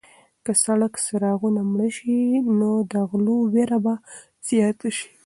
که د سړک څراغونه مړه شي نو د غلو وېره به زیاته شي.